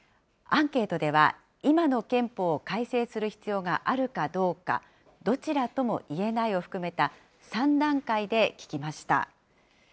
アンケートでは、今の憲法を改正する必要があるかどうか、どちらともいえないを含めた３段階で聞きました。